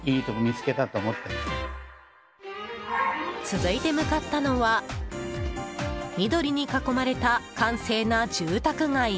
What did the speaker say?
続いて向かったのは緑に囲まれた閑静な住宅街